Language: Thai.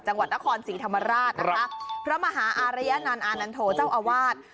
จังหวัดนครศรีธรรมราชพระมหาอารยนรรนดรโธเจ้าอวาส